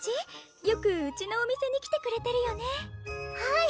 よくうちのお店に来てくれてるよねはい！